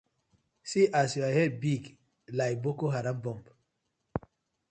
See as yu head big like Boko Haram bomb.